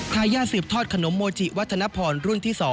ทายาทสืบทอดขนมโมจิวัฒนพรรุ่นที่๒